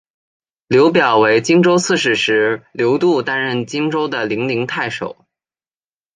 刘表为荆州刺史时刘度担任荆州的零陵太守。